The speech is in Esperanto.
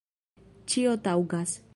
Ĉio taŭgas.